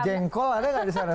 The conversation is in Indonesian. jengkol ada nggak di sana